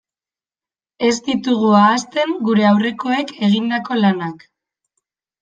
Ez ditugu ahazten gure aurrekoek egindako lanak.